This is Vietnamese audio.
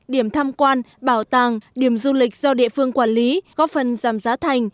điểm tham quan bảo tàng điểm du lịch do địa phương quản lý góp phần giảm giá thành